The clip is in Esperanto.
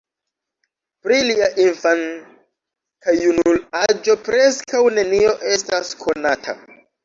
Pri lia infan- kaj junul-aĝo preskaŭ nenio estas konata.